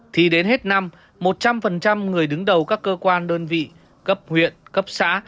thì đến hết năm một trăm linh người đứng đầu các cơ quan đơn vị cấp huyện cấp xã